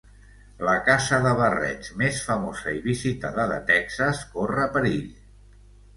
La casa de barrets més famosa i visitada de Texas corre perill.